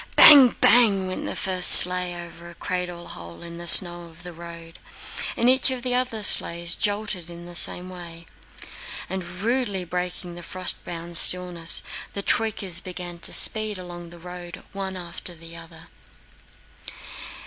Bang, bang! went the first sleigh over a cradle hole in the snow of the road, and each of the other sleighs jolted in the same way, and rudely breaking the frost bound stillness, the troykas began to speed along the road, one after the other.